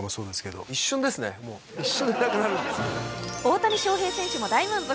大谷翔平選手も大満足。